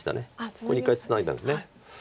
ここに一回ツナいだんです。